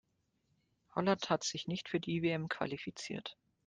Holland hat sich nicht für die WM qualifiziert.